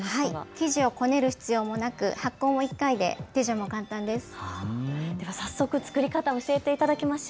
生地をこねる必要もなく発酵も１回で手順も簡単です。